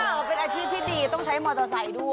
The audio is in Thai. อ้าวเป็นอาทิตย์ที่ดีต้องใช้มอเตอร์ไซต์ด้วย